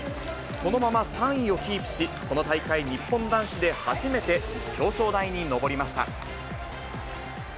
このまま３位をキープし、この大会日本男子で初めて表彰台に上りました。